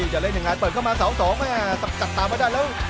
จะเล่นยังไงเปิดเข้ามาเสาสองแม่จับตาไม่ได้แล้ว